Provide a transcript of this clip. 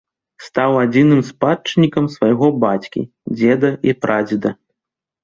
Стаў адзіным спадчыннікам свайго бацькі, дзеда і прадзеда.